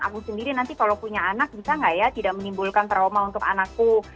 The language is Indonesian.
aku sendiri nanti kalau punya anak bisa nggak ya tidak menimbulkan trauma untuk anakku